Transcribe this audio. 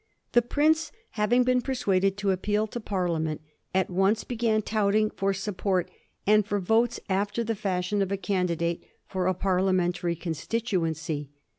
The prince, having been persuaded to appeal to Parliament, at once began touting for support and for votes after the fashion of a candidate for a Parliamentary constituency.